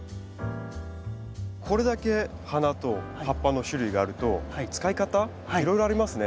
これだけ花と葉っぱの種類があると使い方いろいろありますね。